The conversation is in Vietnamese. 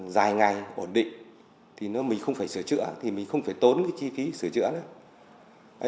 dài ngày ổn định thì mình không phải sửa chữa thì mình không phải tốn cái chi phí sửa chữa nữa